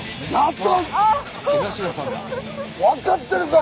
分かってるか？